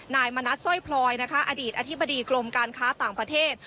นายมณัฐสร้อยพลอยนะคะอดีตอธิบดีกรมการค้าต่างประเทศ